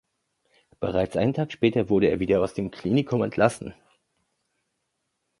Bereits einen Tag später wurde er wieder aus dem Klinikum entlassen.